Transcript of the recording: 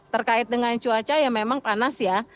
terkait dengan cuaca ya memang panas ya